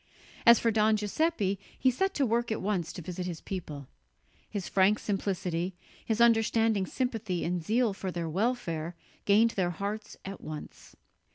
As for Don Giuseppe, he set to work at once to visit his people. His frank simplicity, his understanding sympathy and zeal for their welfare gained their hearts at once.